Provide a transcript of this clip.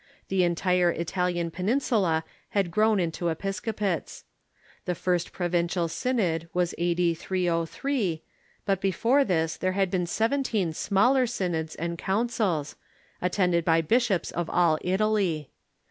The entire Italian peninsula had grown into episcopates. The first provincial synod was a.d. 303, but before this there had been seventeen smaller synods and councils, attended by bishops of all Italy.